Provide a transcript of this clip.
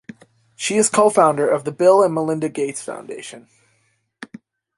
She is co-founder of the Bill and Melinda Gates Foundation.